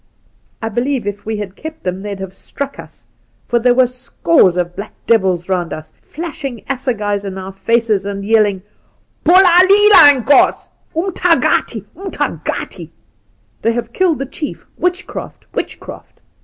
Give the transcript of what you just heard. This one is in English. I believe if we had kept them they'd have stuck us, for there were scores of black devils round each of us, flashing assegais in our faces, and yelling :'" Bolalile Inkos ! Umtagati ! umtagati !"—" They have killed the chief ! Witchcraft ! witchcraft